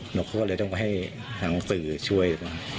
หนอกเขาก็เลยต้องไปให้หางสื่อช่วย